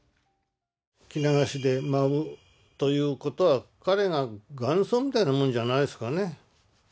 着流しで舞うということは彼が元祖みたいなもんじゃないですかね。